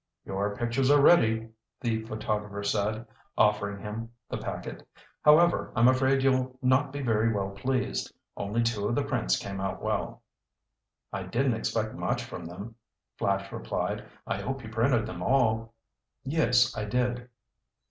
"Your pictures are ready," the photographer said, offering him the packet. "However, I'm afraid you'll not be very well pleased. Only two of the prints came out well." "I didn't expect much from them," Flash replied. "I hope you printed them all." "Yes, I did."